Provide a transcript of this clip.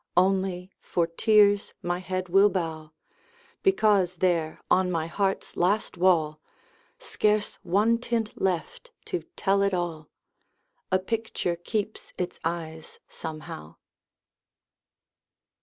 Only, for tears my head will bow, Because there on my heart's last wall, Scarce one tint left to tell it all, A picture keeps its eyes, somehow.